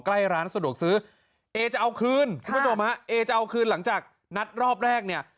ใกล้ร้านสะดวกซื้อเอจะเอาคืนคุณผู้ชมฮะเอจะเอาคืนหลังจากนัดรอบแรกเนี่ย